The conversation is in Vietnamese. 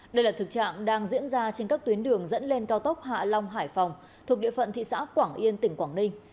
đây là thực trạng đang diễn ra trên các tuyến đường dẫn lên cao tốc hạ long hải phòng thuộc địa phận thị xã quảng yên tỉnh quảng ninh